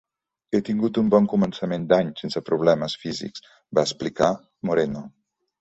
"He tingut un bon començament d'any, sense problemes físics", va explicar Moreno.